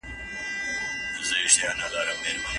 آيا خاوند پر ميرمني خاص حقوق لري؟